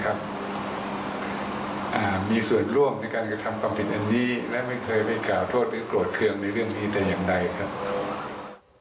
และไม่เคยไปกล่าวโทษหรือโกรธเครื่องในเรื่องนี้แต่อย่างไรครับ